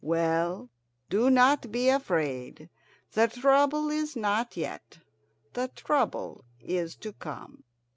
Well, do not be afraid. The trouble is not yet; the trouble is to come.